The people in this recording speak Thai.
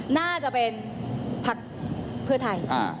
น่าจะเป็นพักเพื่อไทย